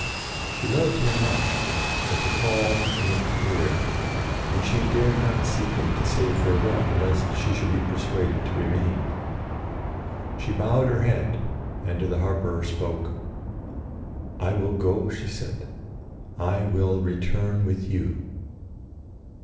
She loved him much; but the call came clear, and she dared not seek him to say farewell, lest she should be persuaded to remain. She bowed her head and to the harper spoke: "I will go," she said. "I will return with you."